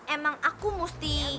emang aku mesti